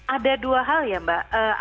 ada dua hal ya mbak